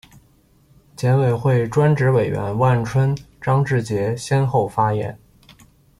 检委会专职委员万春、张志杰先后发言